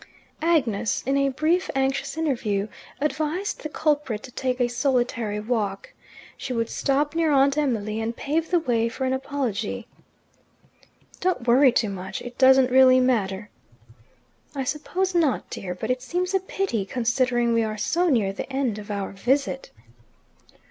Agnes, in a brief anxious interview, advised the culprit to take a solitary walk. She would stop near Aunt Emily, and pave the way for an apology. "Don't worry too much. It doesn't really matter." "I suppose not, dear. But it seems a pity, considering we are so near the end of our visit."